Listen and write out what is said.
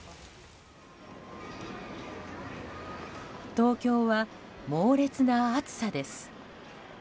東京は猛烈な暑さです。